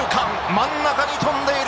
真ん中に飛んでいる。